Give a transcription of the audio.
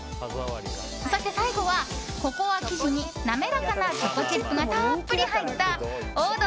そして最後は、ココア生地に滑らかなチョコチップがたっぷり入った王道！